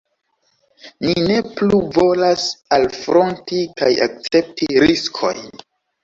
Ni ne plu volas alfronti kaj akcepti riskojn.